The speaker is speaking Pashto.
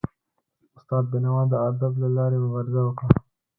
استاد بینوا د ادب له لاري مبارزه وکړه.